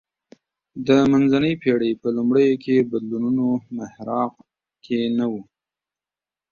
د منځنۍ پېړۍ په لومړیو کې بدلونونو محراق کې نه و